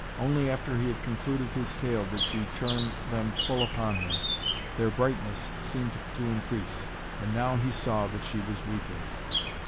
Only after he had concluded his tale did she turn them full upon him. Their brightness seemed to increase, and now he saw that she was weeping.